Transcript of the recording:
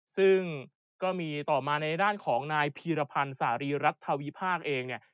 ซึ่งก็มีต่อมาในด้านของนายพีรพันธ์สารีรัฐวิพากษ์เองเนี่ย